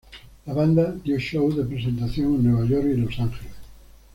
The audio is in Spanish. La banda dio shows de presentación en Nueva York y Los Ángeles.